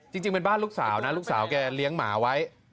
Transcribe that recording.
จริงเป็นบ้านลูกสาวนะลูกสาวแกเลี้ยงหมาไว้